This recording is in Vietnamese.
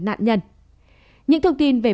nạn nhân những thông tin về